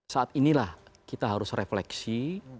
saat inilah kita harus refleksi